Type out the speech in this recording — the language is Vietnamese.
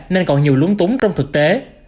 nên còn nhiều luấn túng trong thực tế